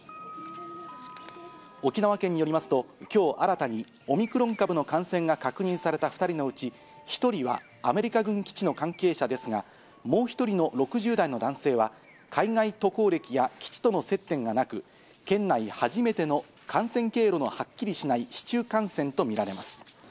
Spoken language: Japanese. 沖縄県によりますと、きょう、新たにオミクロン株の感染が確認された２人のうち１人はアメリカ軍基地の関係者ですが、もう１人の６０代の男性は、海外渡航歴や基地との接点がなく、県内初めての感染経路のはっきりしない市中感染と見られます。